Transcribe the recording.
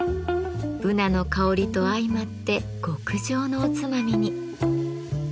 ブナの香りと相まって極上のおつまみに。